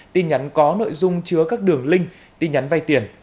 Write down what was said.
tin nhắn có nội dung chứa các đường link tin nhắn vay tiền